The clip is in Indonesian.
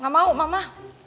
gak mau mama